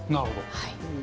はい。